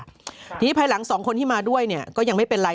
ทีนี้ภายหลังสองคนที่มาด้วยเนี่ยก็ยังไม่เป็นไร